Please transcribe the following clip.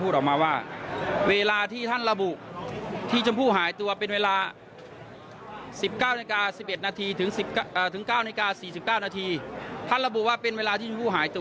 เดี๋ยวลองฟังลุงพลดีกว่า